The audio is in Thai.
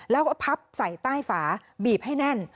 แล้วก็พับใส่ใต้ฝาบีบให้แน่น